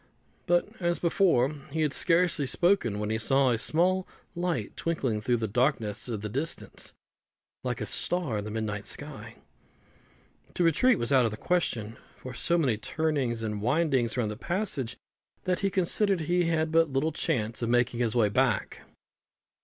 But, as before, he had scarcely spoken, when he saw a small light twinkling through the darkness of the distance, like a star in the midnight sky. To retreat was out of the question; for so many turnings and windings were in the passage, that he considered he had but little chance of making his way back.